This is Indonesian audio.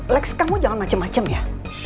lex kamu jangan macem macem ya